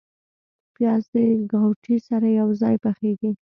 پیاز د ګاوتې سره یو ځای پخیږي